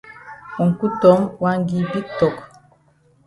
Uncle Tom wan gi big tok.